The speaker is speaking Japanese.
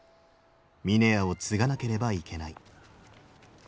峰屋を継がなければいけない。